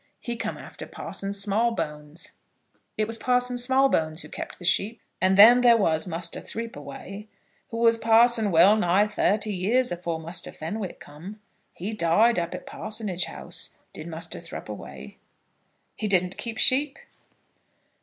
He come after Parson Smallbones." "It was Parson Smallbones who kept the sheep?" "And then there was Muster Threepaway, who was parson well nigh thirty years afore Muster Fenwick come. He died up at Parsonage House, did Muster Threepaway." "He didn't keep sheep?"